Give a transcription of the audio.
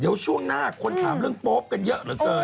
เดี๋ยวช่วงหน้าคนถามเรื่องโป๊ปกันเยอะเหลือเกิน